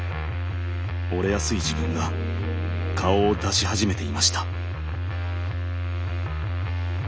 折れやすい自分が顔を出し始めていました。